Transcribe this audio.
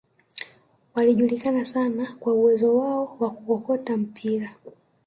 waliojulikana sana kwa uwezo wao wa kukokota mipira